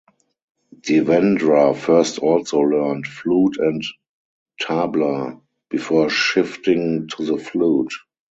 Devendra first also learned flute and tabla before shifting to the flute.